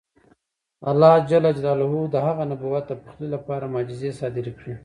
الله جل جلاله د هغه د نبوت د پخلي لپاره معجزې صادرې کړې.